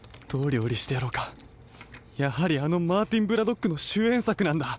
やはりあのマーティン・ブラドックのしゅえんさくなんだ。